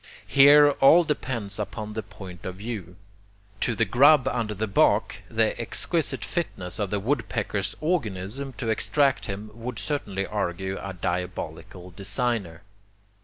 Here all depends upon the point of view. To the grub under the bark the exquisite fitness of the woodpecker's organism to extract him would certainly argue a diabolical designer.